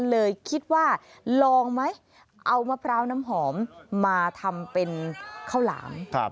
เลยคิดว่าลองไหมเอามะพร้าวน้ำหอมมาทำเป็นข้าวหลาม